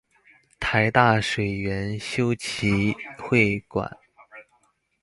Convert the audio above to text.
臺大水源修齊會館